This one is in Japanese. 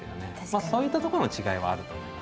そういったところの違いはあると思います。